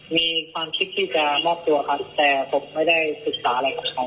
มีความคิดที่จะมอบตัวครับแต่ผมไม่ได้ศึกษาอะไรกับเขา